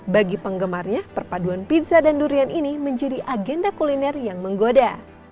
bagi penggemarnya perpaduan pizza dan durian ini menjadi agenda kuliner yang menggoda